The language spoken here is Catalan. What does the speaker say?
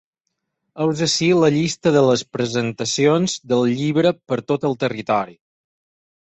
Heus ací la llista de les presentacions del llibre per tot el territori.